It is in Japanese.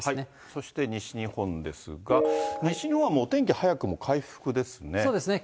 そして西日本ですが、西日本はもうお天気早くも回復ですね。